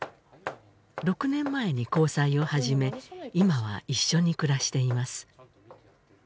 ６年前に交際を始め今は一緒に暮らしています